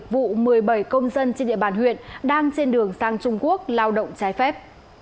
vụ một mươi bảy công dân trên địa bàn huyện đang trên đường sang trung quốc lao động trái phép